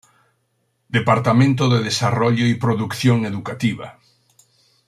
Departamento de Desarrollo y Producción Educativa.